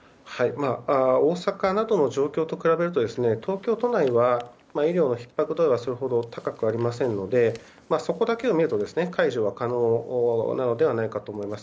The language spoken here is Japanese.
大阪などの状況と比べると東京都内は医療のひっ迫度合いはそれほど高くないのでそこだけを見ると解除は可能なのではないかと思います。